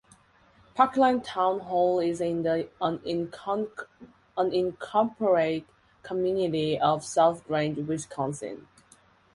Parkland Town Hall is in the unincorporated community of South Range, Wisconsin.